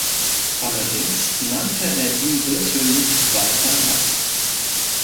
Allerdings nannte er ihn irrtümlich Walter Hass.